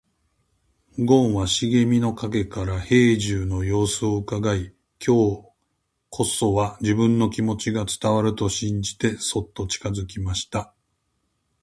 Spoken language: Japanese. ごんは茂みの影から兵十の様子をうかがい、今日こそは自分の気持ちが伝わると信じてそっと近づきました。